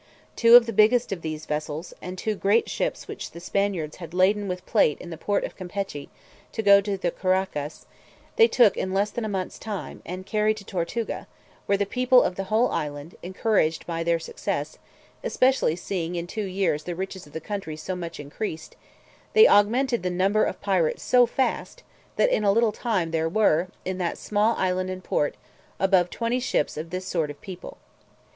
Two of the biggest of these vessels, and two great ships which the Spaniards had laden with plate in the port of Campechy, to go to the Caraccas, they took in less than a month's time, and carried to Tortuga; where the people of the whole island, encouraged by their success, especially seeing in two years the riches of the country so much increased, they augmented the number of pirates so fast, that in a little time there were, in that small island and port, above twenty ships of this sort of people.